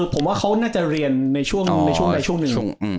ผมว่าเขาน่าจะเรียนในช่วงใดช่วงหนึ่ง